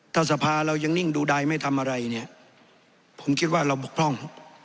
ถ้าสภาเรายังนิ่งดูใดไม่ทำอะไรเนี่ยผมคิดว่าเราบกพร่อง